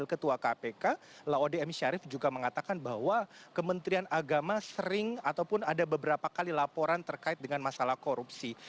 ketua kpk laode m syarif juga mengatakan bahwa kementerian agama sering ataupun ada beberapa kali laporan terkait dengan masalah korupsi